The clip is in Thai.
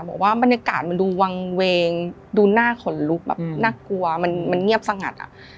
บอกว่าบรรยากาศมันดูวางเวงดูหน้าขนลุกแบบน่ากลัวมันเงียบสงัดอ่ะ